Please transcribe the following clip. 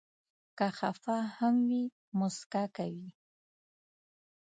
که خفه هم وي، مسکا کوي.